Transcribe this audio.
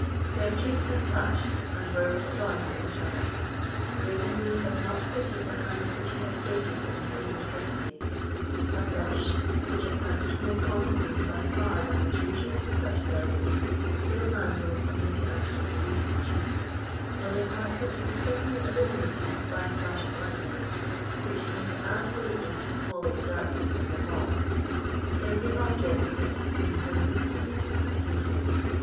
Their cheeks had touched and were withdrawn from each other; Ravenswood had not quitted the hand which he had taken in kindly courtesy; a blush, which attached more consequence by far than was usual to such ceremony, still mantled on Lucy Ashton's beautiful cheek, when the apartment was suddenly illuminated by a flash of lightning, which seemed absolutely to swallow the darkness of the hall. Every object might have been for an instant seen distinctly.